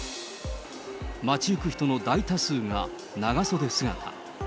街行く人の大多数が長袖姿。